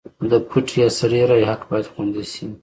د پټې یا سري رایې حق باید خوندي شي.